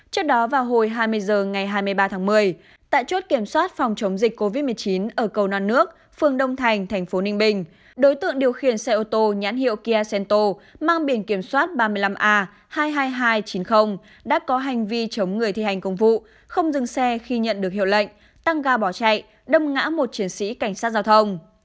trước đó vào hồi hai mươi h ngày hai mươi ba tháng một mươi tại chốt kiểm soát phòng chống dịch covid một mươi chín ở cầu non nước phường đông thành tp ninh bình đối tượng điều khiển xe ô tô nhãn hiệu kia sento mang biển kiểm soát ba mươi năm a hai mươi hai nghìn hai trăm chín mươi đã có hành vi chống người thi hành công vụ không dừng xe khi nhận được hiệu lệnh tăng ga bỏ chạy đâm ngã một chiến sĩ cảnh sát giao thông